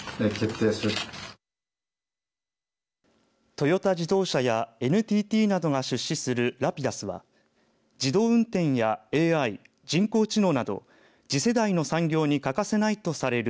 トヨタ自動車やＮＴＴなどが出資するＲａｐｉｄｕｓは自動運転やＡＩ人工知能など次世代の産業に欠かせないとされる